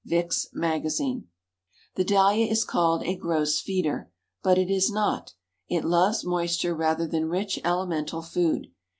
Vick's Magazine. "The Dahlia is called a gross feeder, but it is not. It loves moisture rather than rich elemental food.